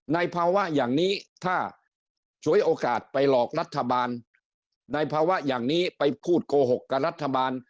ในภาวะอย่างนี้ถ้าฉวยโอกาสไปหลอกรัฐบาลในภาวะอย่างนี้ไปพูดโกหกกับรัฐบาล